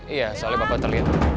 iya soalnya bapak terlihat